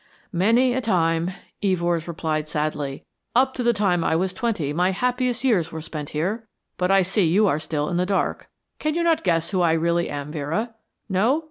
"Many a time," Evors replied sadly. "Up to the time I was twenty my happiest years were spent here. But I see you are still in the dark. Cannot you guess who I really am, Vera? No?